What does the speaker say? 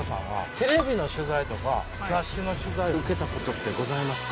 テレビの取材とか雑誌の取材受けた事ってございますか？